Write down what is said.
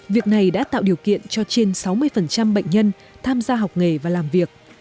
việc này đã tạo điều kiện cho trên sáu mươi bệnh nhân tham gia học nghề và làm việc